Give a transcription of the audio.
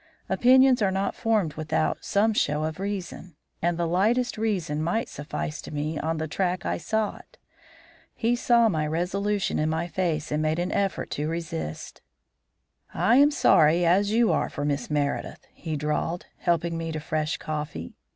Opinions are not formed without some show of reason, and the lightest reason might suffice to put me on the track I sought. He saw my resolution in my face, and made an effort to resist. "I am as sorry as you are for Miss Meredith," he drawled, helping me to fresh coffee.